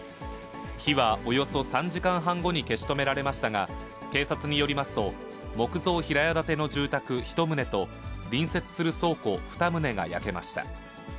火はおよそ３時間半後に消し止められましたが、警察によりますと、木造平屋建ての住宅１棟と、隣接する倉庫２棟が焼けました。